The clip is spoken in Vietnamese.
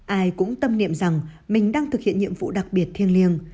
ai cũng tâm niệm rằng mình đang thực hiện nhiệm vụ đặc biệt thiêng liêng